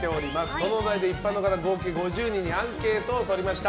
そのお題で一般の方合計５０人にアンケートをとりました。